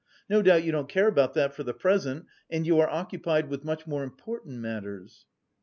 No doubt you don't care about that for the present and you are occupied with much more important matters...."